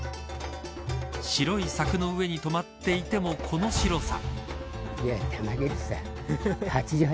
白いさくの上にとまっていてもこの白さ。